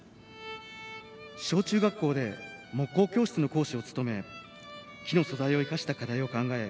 小中学校で木工教室の講師を務め木の素材を生かした課題を考え